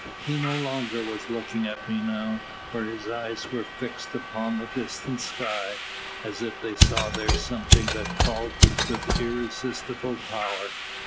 He no longer was looking at me now, for his eyes were fixed upon the distant sky, as if they saw there something that called with irresistible power.